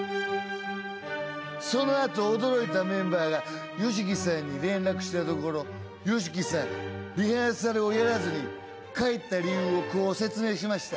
そのあと驚いたメンバーがＹＯＳＨＩＫＩさんに連絡したところＹＯＳＨＩＫＩさんリハーサルをやらずに帰った理由をこう説明しました。